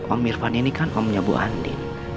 om irfan ini kan omnya bu andi